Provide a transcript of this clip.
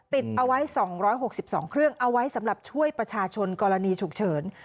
ติดเอาไว้๒๖๒เครื่องเอาไว้สำหรับช่วยประชาชนกรณีฉุกเฉิน